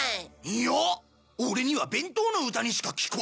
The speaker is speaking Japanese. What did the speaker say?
いやオレには弁当の歌にしか聞こえねえぞ。